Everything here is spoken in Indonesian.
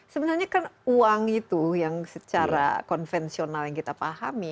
sebenarnya kan uang itu yang secara konvensional yang kita pahami